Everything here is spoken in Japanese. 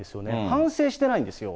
反省してないんですよ。